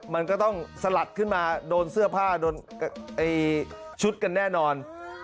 มันก็ต้องสลัดขึ้นมาโดนเสื้อผ้าโดนชุดกันแน่นอน